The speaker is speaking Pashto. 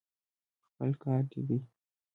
خپل کار دې دی.